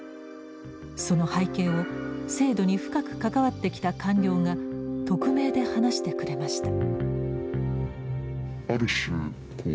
その背景を制度に深く関わってきた官僚が匿名で話してくれました。